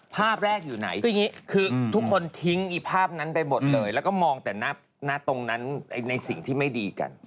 ภาพแรกอยู่ไหนคือทุกคนทิ้งอีภาพนั้นไปหมดเลยแล้วก็มองแต่หน้าตรงนั้นในสิ่งที่ไม่ดีกัน